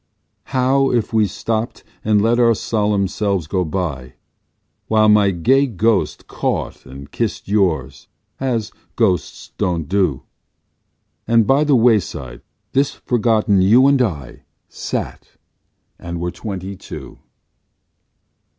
How if we stopped and let our solemn selves go by, While my gay ghost caught and kissed yours, as ghosts don't do, And by the wayside, this forgotten you and I Sat, and were twenty two?